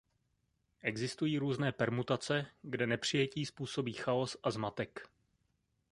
Existují různé permutace, kde nepřijetí způsobí chaos a zmatek.